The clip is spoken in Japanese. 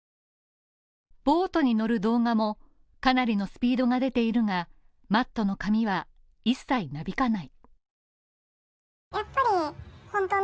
ボートに乗る動画もかなりのスピードが出ているが、マットの髪は一切なびかない。